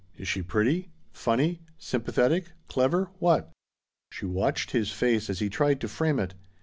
Is she pretty? Funny? Sympathetic? Clever? What?" She watched his face as he tried to frame it.